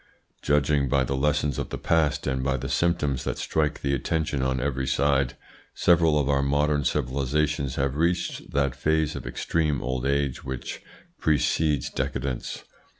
Judging by the lessons of the past, and by the symptoms that strike the attention on every side, several of our modern civilisations have reached that phase of extreme old age which precedes decadence.